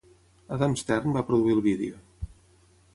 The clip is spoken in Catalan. Adam Stern va produir el vídeo.